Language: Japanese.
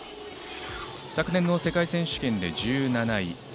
昨年の世界選手権で１７位。